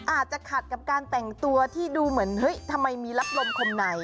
อาจจะขัดกับการแต่งตัวที่ดูเหมือนเฮ้ยทำไมมีรับลมคนไหน